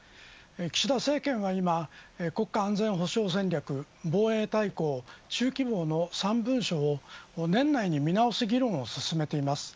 岸田政権は今、国家安全保障戦略防衛大綱中期防の３文書を年内に見直す議論を進めています。